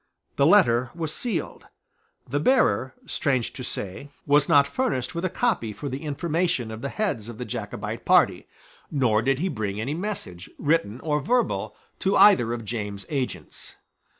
The letter was sealed: the bearer, strange to say, was not furnished with a copy for the information of the heads of the Jacobite party; nor did he bring any message, written or verbal, to either of James's agents.